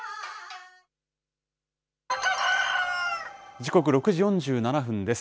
時刻６時４７分です。